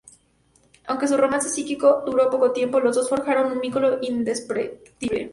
Aunque su romance psíquico duró poco tiempo, los dos forjaron un vínculo indescriptible.